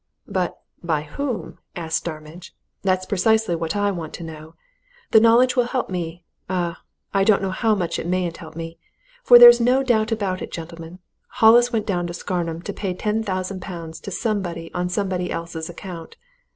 "But by whom?" asked Starmidge. "That's precisely what I want to know! The knowledge will help me ah! I don't know how much it mayn't help me! For there's no doubt about it, gentlemen, Hollis went down to Scarnham to pay ten thousand pounds to somebody on somebody else's account!